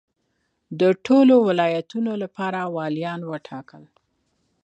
د ټولو ولایتونو لپاره والیان وټاکل.